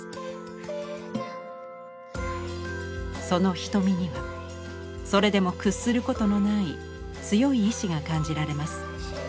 その瞳にはそれでも屈することのない強い意志が感じられます。